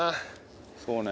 そうね。